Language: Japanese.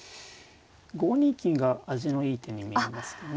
５二金が味のいい手に見えますね。